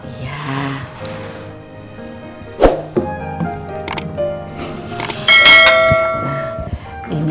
ini dari mbak catherine